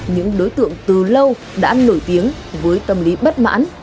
những đối tượng từ lâu đã nổi tiếng với tâm lý bất mãn